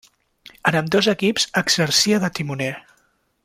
En ambdós equips exercia de timoner.